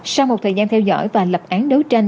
sau một thời gian theo dõi và lập án đấu tranh